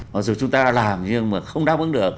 mặc dù chúng ta đã làm nhưng mà không đáp ứng được